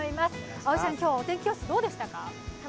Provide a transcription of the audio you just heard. あおいちゃん、今日はお天気教室どうでしたか？